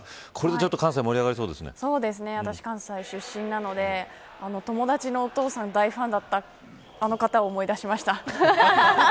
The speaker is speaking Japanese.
トラちゃん私、関西出身なので友達のお父さん大ファンだった方を思い出しました。